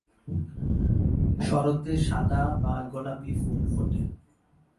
শরতে সাদা বা গোলাপি ফুল ফোটে।